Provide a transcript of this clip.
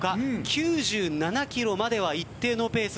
９７ｋｍまでは一定のペース。